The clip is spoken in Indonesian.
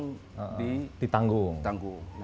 kalau tidak ada yang ditanggung